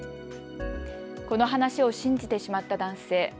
この話を信じてしまった男性。